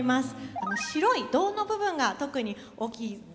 あの白い胴の部分が特に大きいかなと。